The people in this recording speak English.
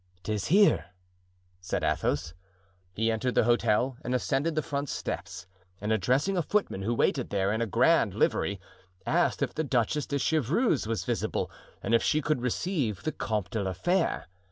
"'Tis here," said Athos. He entered the hotel and ascended the front steps, and addressing a footman who waited there in a grand livery, asked if the Duchess de Chevreuse was visible and if she could receive the Comte de la Fere?